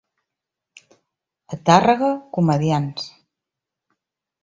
A Tàrrega, comediants.